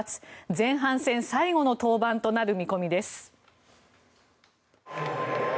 前半戦最後の登板となる見込みです。